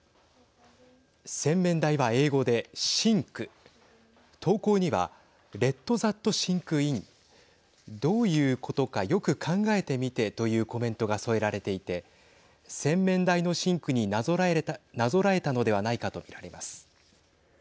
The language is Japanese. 洗面台は英語でＳｉｎｋ投稿にはｌｅｔｔｈａｔｓｉｎｋｉｎどういうことかよく考えてみてというコメントが添えられていて洗面台のシンクになぞらえたのではないかと見られます。